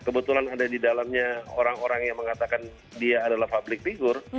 kebetulan ada di dalamnya orang orang yang mengatakan dia adalah public figure